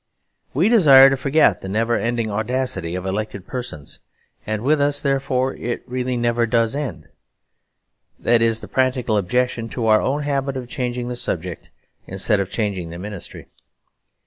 We desire to forget the never ending audacity of elected persons; and with us therefore it really never does end. That is the practical objection to our own habit of changing the subject, instead of changing the ministry.